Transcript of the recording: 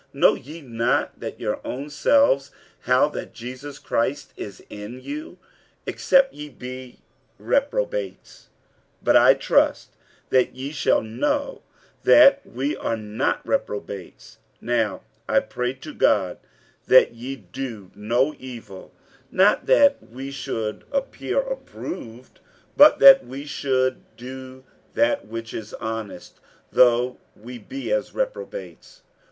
Know ye not your own selves, how that Jesus Christ is in you, except ye be reprobates? 47:013:006 But I trust that ye shall know that we are not reprobates. 47:013:007 Now I pray to God that ye do no evil; not that we should appear approved, but that ye should do that which is honest, though we be as reprobates.